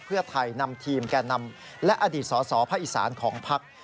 เพื่อไทยนำทีมแก่นำและอดีตสสภาคอีสานของพัก